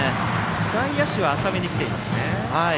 外野手は浅めに来ています。